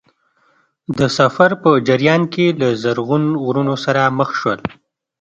د سفر په جریان کې له زرغون غرونو سره مخ شول.